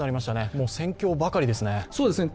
もう戦況ばかりですね。